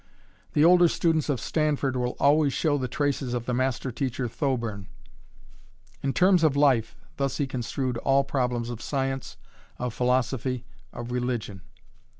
The older students of Stanford will always show the traces of the master teacher Thoburn. "In terms of life," thus he construed all problems of Science, of Philosophy, of Religion.